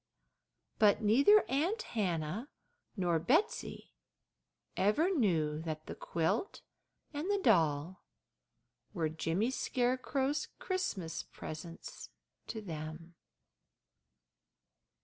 But neither Aunt Hannah nor Betsey ever knew that the quilt and the doll were Jimmy Scarecrow's Christmas presents to them.